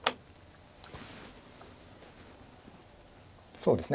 そうですね